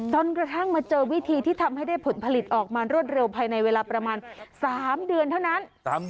จนกระทั่งมาเจอวิธีที่ทำให้ได้ผลผลิตออกมารวดเร็วภายในเวลาประมาณ๓เดือนเท่านั้น